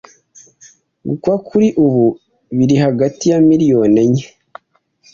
Gukwa kuri ubu biri hagati ya miliyoni enye